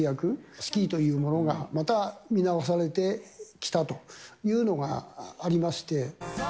スキーというものがまた見直されてきたというのがありまして。